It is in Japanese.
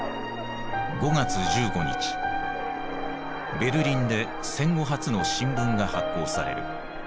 ベルリンで戦後初の新聞が発行される。